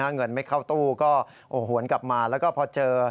เงินไม่เข้าตู้ก็หวนกลับมาแล้วก็พอเจอ